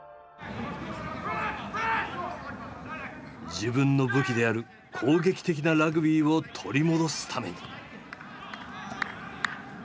自分の武器である攻撃的なラグビーを取り戻すために。